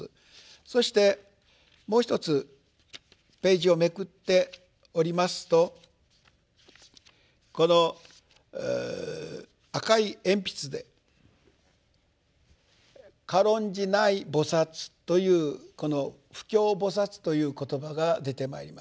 そしてもう一つページをめくっておりますとこの赤い鉛筆で軽んじない菩薩というこの「不軽菩薩」という言葉が出てまいります。